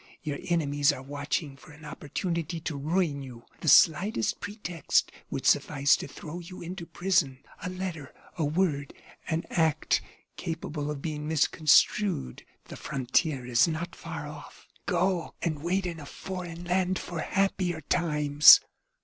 Your enemies are watching for an opportunity to ruin you. The slightest pretext would suffice to throw you into prison a letter, a word, an act capable of being misconstrued. The frontier is not far off; go, and wait in a foreign land for happier times."